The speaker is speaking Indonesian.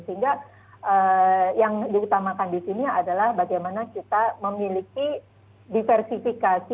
sehingga yang diutamakan di sini adalah bagaimana kita memiliki diversifikasi